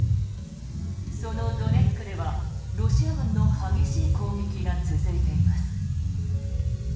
そのドネツクではロシア軍の激しい攻撃が続いています。